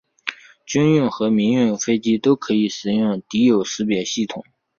军用和民用飞机都可以使用敌友识别系统。